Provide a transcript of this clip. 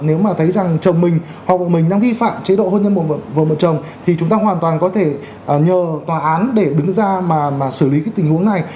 nếu mà thấy rằng chồng mình họ bọn mình đang vi phạm chế độ hôn nhân một vợ một chồng thì chúng ta hoàn toàn có thể nhờ tòa án để đứng ra mà xử lý cái tình huống này